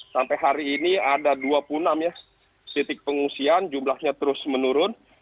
sampai hari ini ada dua puluh enam ya titik pengungsian jumlahnya terus menurun